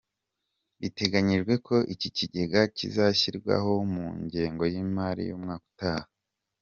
Biteganyijwe ko iki kigega kizashyirwaho mu ngengo y’imari y’umwaka utaha.